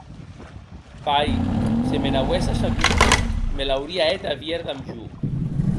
Pair se me n’auessa sabut me l’auria hèt a vier damb jo.